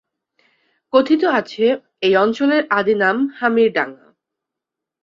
কথিত আছে, এই অঞ্চলের আদি নাম হামিরডাঙা।